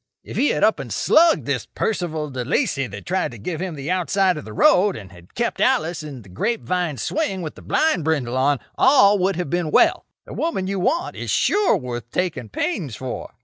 If he had up and slugged this Percival De Lacey that tried to give him the outside of the road, and had kept Alice in the grape vine swing with the blind bridle on, all would have been well. The woman you want is sure worth taking pains for.